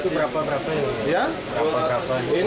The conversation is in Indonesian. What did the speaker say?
itu berapa berapa ya